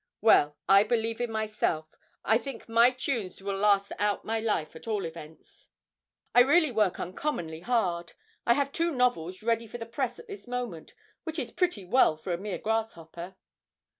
Well, I believe in myself. I think my tunes will last out my life at all events. I really work uncommonly hard. I have two novels ready for the press at this moment, which is pretty well for a mere grasshopper.'